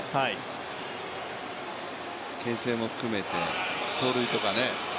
けん制も含めて、盗塁とかね。